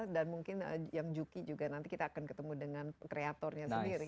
dan mungkin yang juki juga nanti kita akan ketemu dengan kreatornya sendiri